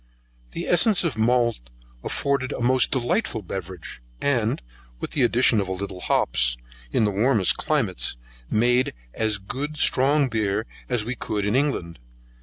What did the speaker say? The Essence of Malt afforded a most delightful beverage, and, with the addition of a little hops, in the warmest climates, made as good strong beer as we could in England.